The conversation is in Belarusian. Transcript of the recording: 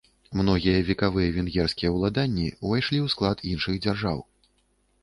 Многія векавыя венгерскія ўладанні ўвайшлі ў склад іншых дзяржаў.